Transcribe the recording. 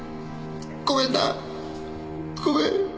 ごめんなごめん。